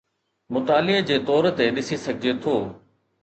مطالعي جي طور تي ڏسي سگھجي ٿو.